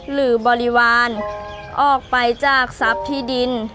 บริวารออกไปจากทรัพย์ที่ดิน